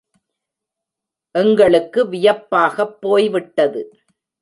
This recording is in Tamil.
எங்களுக்கு வியப்பாகப் போய்விட்டது.